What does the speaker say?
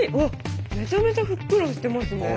めちゃめちゃふっくらしてますね。